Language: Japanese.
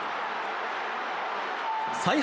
采配